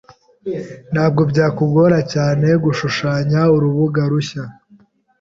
Ntabwo byakugora cyane gushushanya urubuga rushya.